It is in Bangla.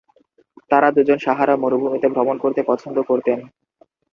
তারা দুজন সাহারা মরুভূমিতে ভ্রমণ করতে পছন্দ করতেন।